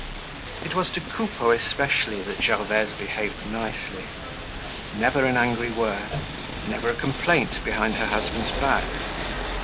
It was to Coupeau especially that Gervaise behaved nicely. Never an angry word, never a complaint behind her husband's back.